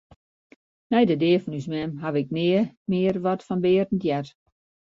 Nei de dea fan ús mem haw ik nea mear wat fan Berend heard.